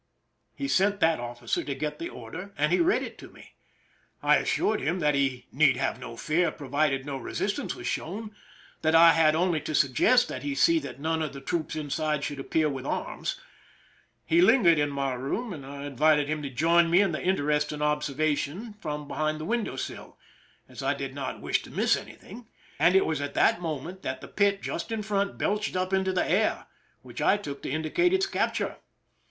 He sent that officer to get the order, and he read it to me. I assured him that he need have no fear provided no resistance were shown, that I had only to suggest that he see that none of the troops inside should appear with arms. He lingered in my room, and I invited him to join me in the interesting observa tion from behind the window sill, as I did not wish to miss anything ; and it was at that moment that the pit just in front belched up into the air, which I took to indicate its capture.